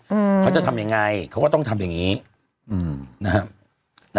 อืมเขาจะทำยังไงเขาก็ต้องทำอย่างงี้อืมนะฮะ